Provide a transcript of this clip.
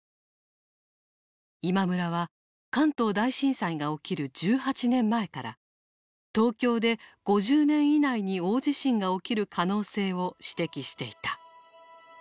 今村は関東大震災が起きる１８年前から東京で５０年以内に大地震が起きる可能性を指摘していた。